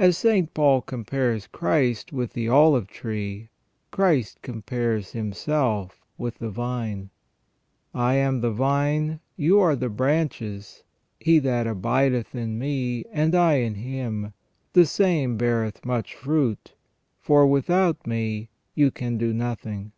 As St. Paul compares Christ with the olive tree, Christ compares Himself with the vine: "I am the vine, you the branches; he that abideth in Me, and I in him, the same beareth much fruit : for without Me you can do nothing